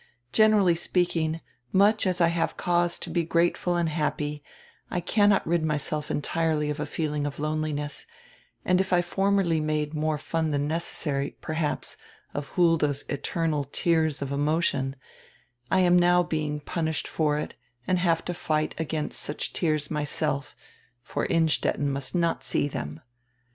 Generally speaking, much as I have cause to be grateful and happy, I cannot rid myself entirely of a feeling of loneliness, and if I formerly made more fun than necessary, perhaps, of Hulda's eternal tears of emotion, I am now being punished for it and have to fight against such tears myself, for Innstetten must not see them.